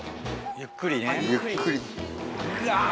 ゆっくり。